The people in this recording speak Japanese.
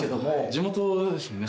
地元ですよね。